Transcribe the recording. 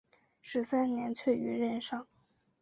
十三年卒于任上。